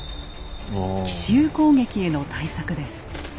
奇襲攻撃への対策です。